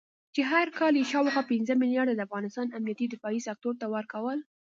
چې هر کال یې شاوخوا پنځه مليارده د افغانستان امنيتي دفاعي سکتور ته ورکول